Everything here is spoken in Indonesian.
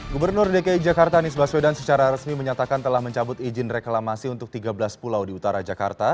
gubernur dki jakarta anies baswedan secara resmi menyatakan telah mencabut izin reklamasi untuk tiga belas pulau di utara jakarta